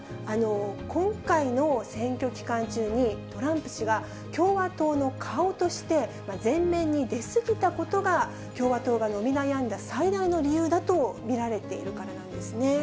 今回の選挙期間中に、トランプ氏が共和党の顔として、前面に出過ぎたことが共和党が伸び悩んだ最大の理由だと見られているからなんですね。